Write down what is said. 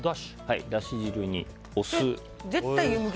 だし汁にお酢。